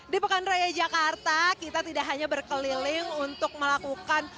di pekan raya jakarta kita tidak hanya berkeliling untuk melakukan